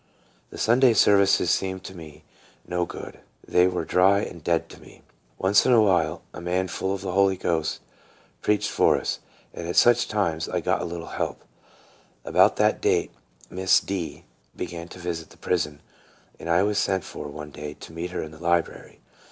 The Sunday services seemed to do me no good. They were dry and dead to me. Once in a while a man full of the Holy Ghost preached for us, and at such times I got a little help. About that date Miss D be gan to visit the prison, and I was sent for one day to meet her in the library.